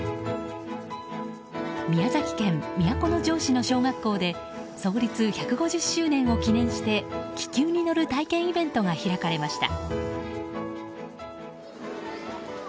宮崎県都城市の小学校で創立１５０周年を記念して気球に乗る体験イベントが開かれました。